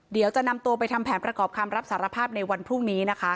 เดี๋ยวจะนำตัวไปทำแผนประกอบคำรับสารภาพในวันพรุ่งนี้นะคะ